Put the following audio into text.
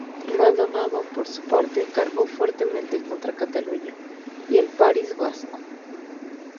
Maldonado, por su parte, cargó fuertemente contra Cataluña y el País Vasco.